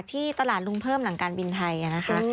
ที่ตลาดลุงเพิ่มหลังการบินไทยนะคะ